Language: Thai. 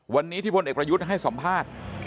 วันนี้ที่พลเอกประยุทธ์ให้สัมภาษณ์